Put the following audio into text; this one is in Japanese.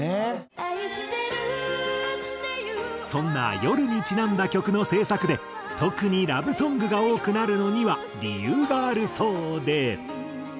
そんな夜にちなんだ曲の制作で特にラブソングが多くなるのには理由があるそうで。